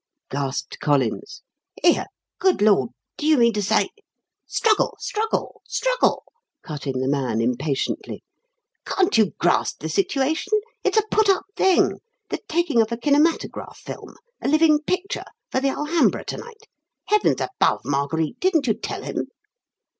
gasped Collins. "Here! Good Lord! Do you mean to say ?" "Struggle struggle struggle!" cut in the man impatiently. "Can't you grasp the situation? It's a put up thing: the taking of a kinematograph film a living picture for the Alhambra to night! Heavens above, Marguerite, didn't you tell him?"